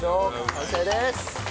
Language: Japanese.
完成です！